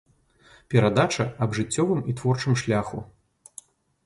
Перадача аб жыццёвым і творчым шляху.